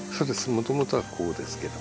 もともとはこうですけど。